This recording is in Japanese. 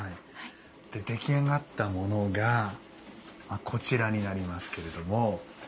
出来上がったものがこちらになりますけれども。